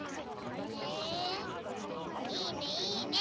へえいいねいいね！